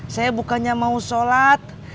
saya bukannya mau sholat